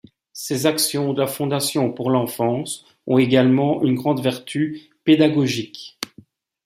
Ces actions de la Fondation pour l'Enfance ont également une grande vertu pédagogique.